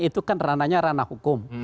itu kan ranahnya ranah hukum